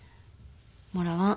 もらわん。